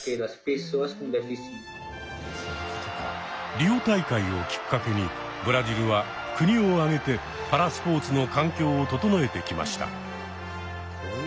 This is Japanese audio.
リオ大会をきっかけにブラジルは国を挙げてパラスポーツの環境を整えてきました。